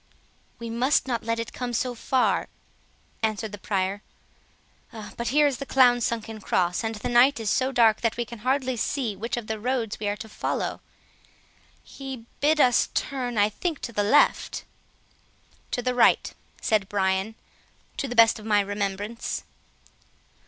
"We must not let it come so far," answered the Prior; "but here is the clown's sunken cross, and the night is so dark that we can hardly see which of the roads we are to follow. He bid us turn, I think to the left." "To the right," said Brian, "to the best of my remembrance."